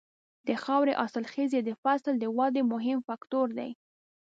د خاورې حاصلخېزي د فصل د ودې مهم فکتور دی.